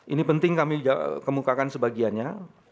ini penting kami kemukakan sebagiannya